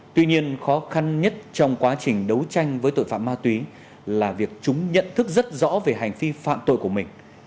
tuy nhiên khó khăn nhất trong quá trình đấu tranh với tội phạm ma túy là việc chúng nhận thức rất rõ về hành vi phạm tội của mình